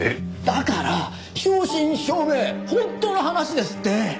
だから正真正銘本当の話ですって！